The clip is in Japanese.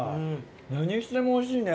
何してもおいしいね。